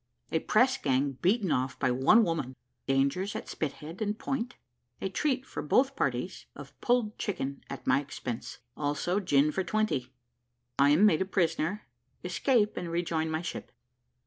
A PRESS GANG BEATEN OFF BY ONE WOMAN DANGERS AT "SPITHEAD" AND "POINT" A TREAT FOR BOTH PARTIES, OF "PULLED CHICKEN," AT MY EXPENSE ALSO GIN FOR TWENTY I AM MADE A PRISONER: ESCAPE AND REJOIN MY SHIP.